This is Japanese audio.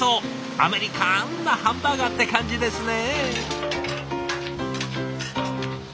アメリカンなハンバーガーって感じですね。